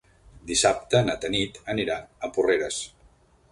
Dissabte na Tanit anirà a Porreres.